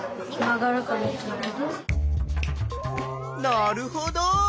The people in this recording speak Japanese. なるほど。